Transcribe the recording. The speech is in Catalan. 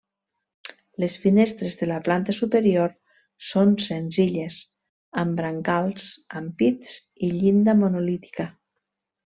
Les finestres de la planta superior són senzilles, amb brancals, ampits i llinda monolítica.